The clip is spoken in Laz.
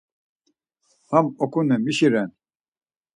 Ham okune mişi ren?